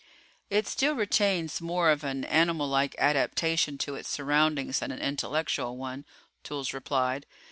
"It still retains more of an animal like adaptation to its surroundings than an intellectual one," Toolls replied.